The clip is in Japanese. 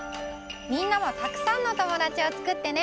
みんなもたくさんの友だちをつくってね！